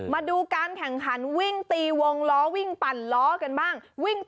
มาดูการแข่งขันวิ่งตีวงล้อวิ่งปั่นล้อกันบ้าง